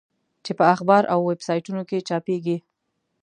چې په اخبار او ویب سایټونو کې چاپېږي.